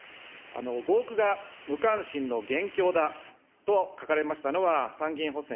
合区が無関心の元凶だと書かれましたのは、参議院補選